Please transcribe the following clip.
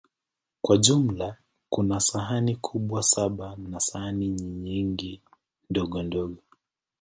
Kwa jumla, kuna sahani kubwa saba na sahani nyingi ndogondogo.